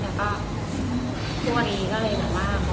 แล้วก็ทุกวันนี้ก็เลยเหมือนว่า